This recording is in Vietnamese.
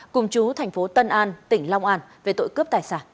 cùng chú tp hcm